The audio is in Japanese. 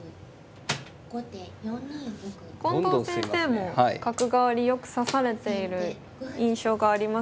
近藤先生も角換わりよく指されている印象がありますけど。